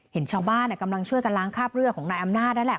เห็นชาวบ้านกำลังช่วยกันล้างคราบเลือดของนายอำนาจนั่นแหละ